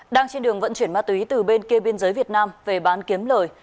đang trên đường vận chuyển ma túy từ bên kia biên giới việt nam về bán kiếm lời